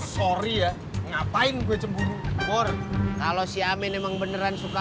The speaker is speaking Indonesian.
sorry ya ngapain gue cemburu bor kalau si amin emang beneran suka